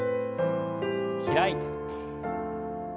開いて。